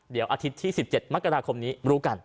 เดี๋ยวอาทิตย์ที่๑๗มกราคมนี้รู้กัน